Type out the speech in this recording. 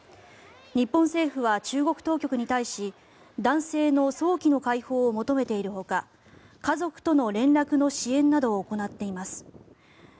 日本政府は中国当局に対し男性の早期の解放を求めているほか家族との連絡の支援などを行っています。